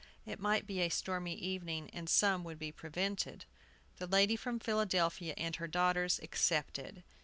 It might be a stormy evening and some would be prevented. The lady from Philadelphia and her daughters accepted.